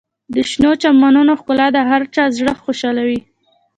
د شنو چمنونو ښکلا د هر چا زړه خوشحالوي.